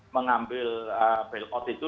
mengambil bailout itu